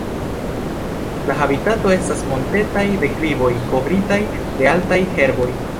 La habitato estas montetaj deklivoj kovritaj de altaj herboj.